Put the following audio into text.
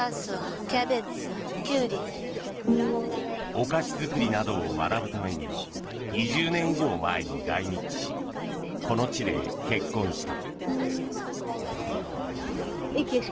お菓子作りなどを学ぶために２０年以上前に来日しこの地で結婚した。